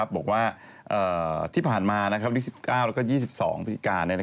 บอกว่าที่ผ่านมา๑๙๒๒ปีการณ์